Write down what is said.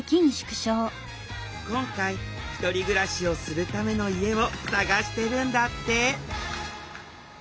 今回ひとり暮らしをするための家を探してるんだって！